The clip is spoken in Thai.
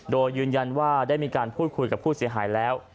โดยยืนยันว่าได้มีการพูดคุยกับผู้เสียหายแล้ว